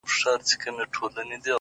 • زما سجده دي ستا د هيلو د جنت مخته وي،